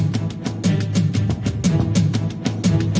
ขอบคุณครับ